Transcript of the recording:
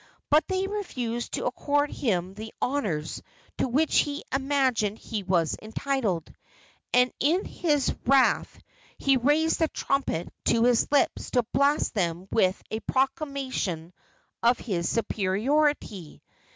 But they refused to accord him the honors to which he imagined he was entitled, and in his wrath he raised the trumpet to his lips to blast them with a proclamation of his superiority.